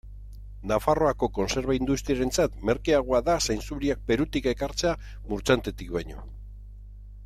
Nafarroako kontserba industriarentzat merkeagoa da zainzuriak Perutik ekartzea Murchantetik baino.